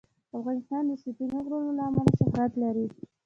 افغانستان د ستوني غرونه له امله شهرت لري.